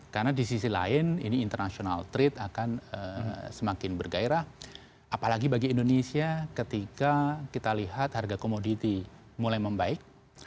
karena di sisi lain ini international trade akan semakin bergairah apalagi bagi indonesia ketika kita lihat harga komoditi mulai membaik